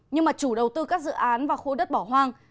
nhưng mà chủ đầu tư các dự án và khu đất bỏ hoang